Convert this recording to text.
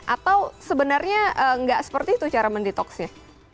atau sebenarnya nggak seperti itu cara mendetoksnya